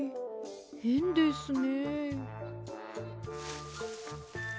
へんですねえ。